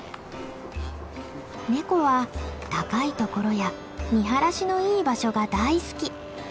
ネコは高いところや見晴らしのいい場所が大好き。